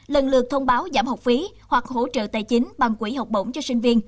lần lượt thông báo giảm học phí hoặc hỗ trợ tài chính bằng quỹ học bổng cho sinh viên